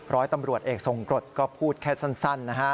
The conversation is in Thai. ร้อยตำรวจเอกทรงกรดก็พูดแค่สั้นนะฮะ